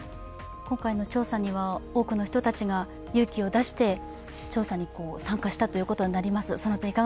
今回の調査には多くの人たちが勇気を出して調査に参加したということになります。